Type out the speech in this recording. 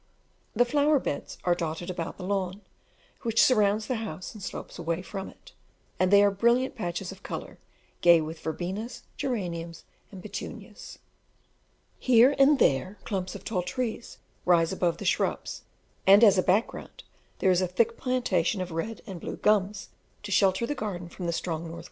The flower beds are dotted about the lawn, which surrounds the house and slopes away from it, and they are brilliant patches of colour, gay with verbenas, geraniums, and petunias. Here and there clumps of tall trees rise above the shrubs, and as a background there is a thick plantation of red and blue gums, to shelter the garden from the strong N.W.